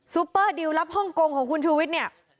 ซุปเปอร์ดีลลับฮ่องกงของคุณชุวิตเนี่ย